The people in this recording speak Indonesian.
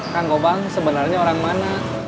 kang gobang sebenarnya orang mana